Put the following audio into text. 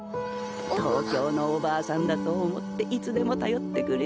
東京のおばあさんだと思っていつでも頼ってくれ。